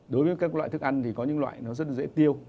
đối với các loại thức ăn thì có những loại nó rất dễ tiêu